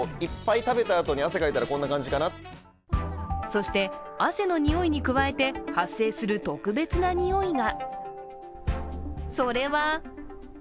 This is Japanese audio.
そして汗のにおいに加えて発生する特別なにおいが。